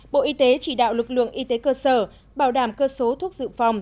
bộ y tế chỉ đạo lực lượng y tế cơ sở bảo đảm cơ số thuốc dự phòng